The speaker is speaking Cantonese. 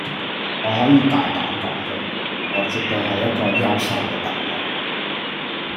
我可以大膽講句，我絕對係一個優秀嘅特務